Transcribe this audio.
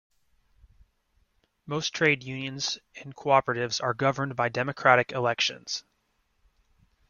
Most trade unions and cooperatives are governed by democratic elections.